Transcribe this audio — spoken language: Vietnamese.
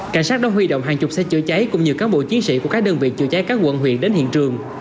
cảnh sát đã huy động hàng chục xe chữa cháy cùng nhiều cán bộ chiến sĩ của các đơn vị chữa cháy các quận huyện đến hiện trường